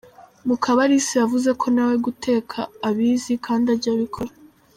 Mukabalisa yavuze ko na we guteka abizi kandi ajya abikora.